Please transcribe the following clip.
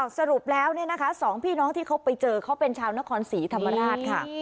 สรุปแล้วสองพี่น้องที่เขาไปเจอเขาเป็นชาวนครศรีธรรมราชค่ะ